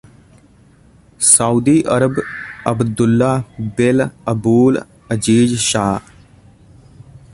Saudi Arab Abdullah bin Abul Aziz Shah